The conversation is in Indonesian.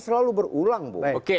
selalu berulang bu